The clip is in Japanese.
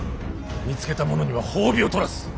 見つけた者には褒美を取らす。